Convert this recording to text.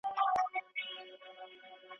هغه سړی چې مېوې پلوري ډېر صادق انسان دی.